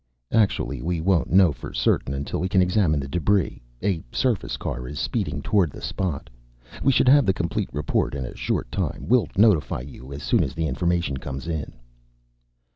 "Actually, we won't know for certain until we can examine the debris. A surface car is speeding toward the spot. We should have the complete report in a short time. We'll notify you as soon as the information comes in."